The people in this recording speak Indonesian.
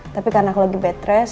tapi karena aku lagi bed rest